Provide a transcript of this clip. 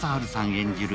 演じる